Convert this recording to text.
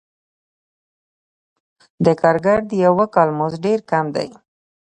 د کارګر د یوه کال مزد ډېر کم دی